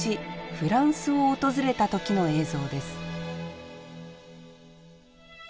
フランスを訪れた時の映像です。